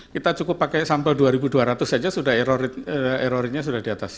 kita cukup pakai sampel dua ribu dua ratus saja sudah errornya sudah di atas